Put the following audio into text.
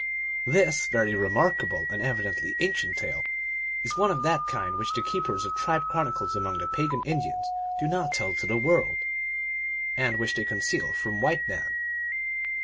This very remarkable and evidently ancient tale is one of that kind which the keepers of tribe chronicles among the pagan Indians do not tell to the world, and which they conceal from white men.